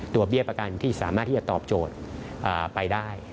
เบี้ยประกันที่สามารถที่จะตอบโจทย์ไปได้